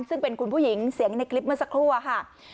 ซึ่งเป็นคุณผู้หญิงเสียงในคลิปเมื่อสักครู่อะค่ะ